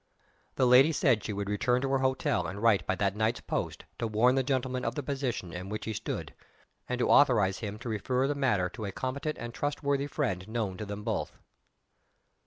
The lady said she would return to her hotel and write by that night's post, to warn the gentleman of the position in which he stood, and to authorize him to refer the matter to a competent and trust worthy friend known to them both.